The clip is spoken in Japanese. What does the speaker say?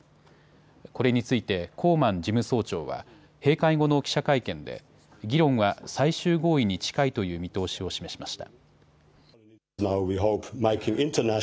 これについてコーマン事務総長は閉会後の記者会見で議論は最終合意に近いという見通しを示しました。